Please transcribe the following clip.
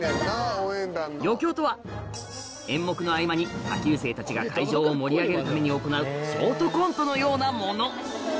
余興とは演目の合間に下級生たちが会場を盛り上げるために行うショートコントのようなもの